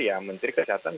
ya menteri kesehatan